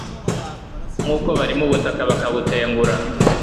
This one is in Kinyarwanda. nk'uko barima ubutaka, bakabutengura